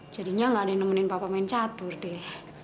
jadinya nggak ada yang nemenin papa main catur deh